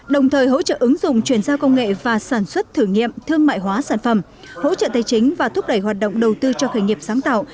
đồng thời hỗ trợ ứng dụng chuyển giao công nghệ và sản xuất thử nghiệm thương mại hóa sản phẩm hỗ trợ tài chính và thúc đẩy hoạt động đầu tư cho khởi nghiệp sáng tạo